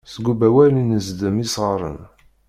Seg Ubawal i d-nezdem isɣaren.